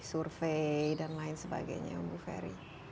survei dan lain sebagainya bu ferry